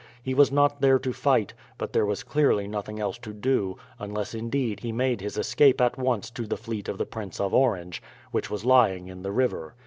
He was not there to fight; but there was clearly nothing else to do, unless indeed he made his escape at once to the fleet of the Prince of Orange, which was lying in the river.